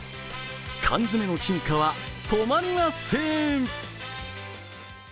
缶詰の進化は止まりません。